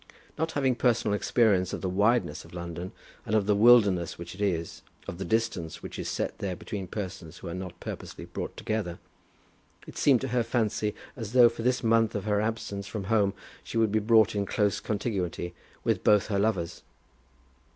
Not having personal experience of the wideness of London, and of the wilderness which it is; of the distance which is set there between persons who are not purposely brought together it seemed to her fancy as though for this month of her absence from home she would be brought into close contiguity with both her lovers.